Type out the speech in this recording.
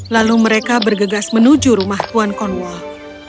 lalu mereka bergegas menuju rumah tuan cornwall